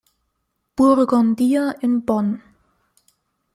Burgundia" in Bonn.